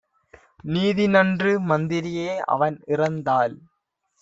நீதிநன்று மந்திரியே! அவன் இறந்தால்